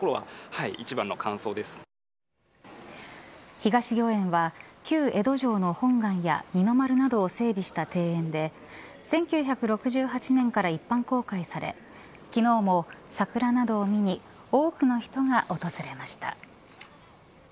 東御苑は旧江戸城の本丸や二の丸などを整備した庭園で１９６８年から一般公開され昨日も桜などを見に多くの人が訪れました。